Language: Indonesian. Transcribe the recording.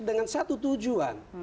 dengan satu tujuan